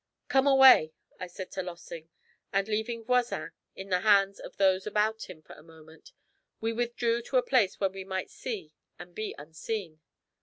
'Come away,' I said to Lossing, and leaving Voisin in the hands of those about him for a moment, we withdrew to a place where we might see and be unseen.